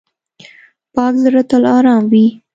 پاک زړه تل آرام وي.